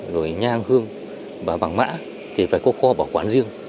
thì nhanh hương và bằng mã thì phải có kho bảo quản riêng